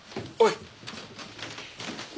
おい！